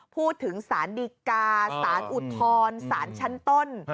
พูดถึงสารดีกาสารอุทธรณ์สารชั้นต้น